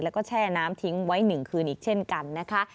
แล้วก็แช่น้ำทิ้งไว้๑คืนอีกเช่นกันนะคะ